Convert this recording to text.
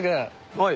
はい。